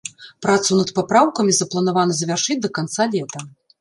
Працу над папраўкамі запланавана завяршыць да канца лета.